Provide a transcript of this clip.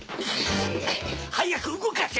早く動かせ！